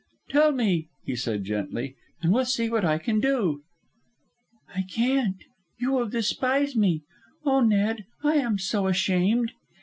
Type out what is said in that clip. "Tell me," he said gently, "and we'll see what I can do." "I can't. You will despise me. Oh, Ned, I am so ashamed!"